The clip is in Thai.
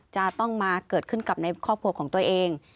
จะต้องมาเกิดขึ้นกับในครอบครัวของตัวเอง